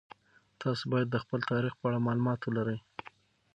تاسو باید د خپل تاریخ په اړه مالومات ولرئ.